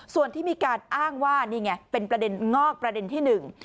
ส่วนที่มีการอ้างว่านี่ไงเป็นประเด็นงอกประเด็นที่หนึ่ง